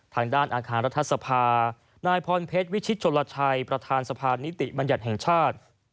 ทางด้านอาคารรัฐสภานายพรเพชรวิชิตชนลชัยประธานสะพานนิติบัญญัติแห่งชาติ